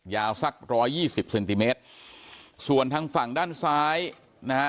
สักร้อยยี่สิบเซนติเมตรส่วนทางฝั่งด้านซ้ายนะฮะ